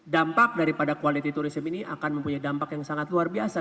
dampak daripada quality tourism ini akan mempunyai dampak yang sangat luar biasa